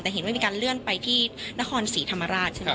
แต่เห็นว่ามีการเลื่อนไปที่นครศรีธรรมราชใช่ไหม